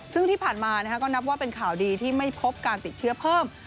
ซึ่งที่ผ่านมาก็นับว่าเป็นข่าวดีที่ไม่พบการติดเชื้อเพิ่ม